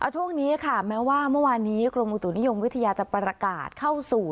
ช่วงนี้ค่ะแม้ว่าเมื่อวานนี้กรมอุตุนิยมวิทยาจะประกาศเข้าสู่